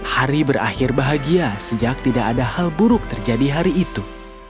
hari berakhir bahagia sejak tidak ada hal buruk terjadi hari itu